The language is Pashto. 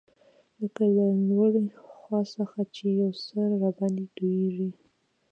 لکه له لوړې خوا څخه چي یو څه راباندي تویېږي.